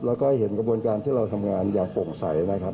แล้วก็เห็นกระบวนการที่เราทำงานอย่างโปร่งใสนะครับ